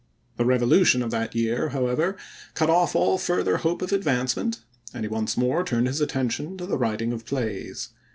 The Revolution of that year, however, cut off all further hope of advancement, and he once more turned his attention to the writing of plays.